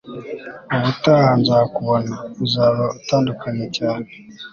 ubutaha nzakubona, uzaba utandukanye cyane